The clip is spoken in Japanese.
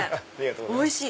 おいしい！